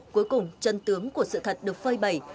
cuối cùng chân tướng của sự thật được phơi bẩy